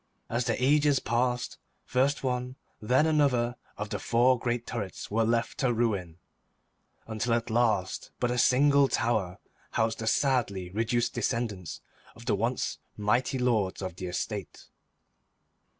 As the ages passed, first one, then another of the four great turrets were left to ruin, until at last but a single tower housed the sadly reduced descendants of the once mighty lords of the estate.